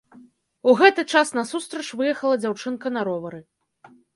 У гэты час насустрач выехала дзяўчынка на ровары.